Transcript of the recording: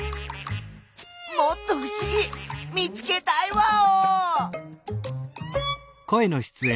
もっとふしぎ見つけたいワオ！